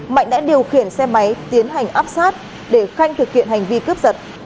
mạnh đã điều khiển xe máy tiến hành áp sát để khanh thực hiện hành vi cướp giật